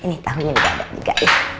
ini tahu ini gak ada juga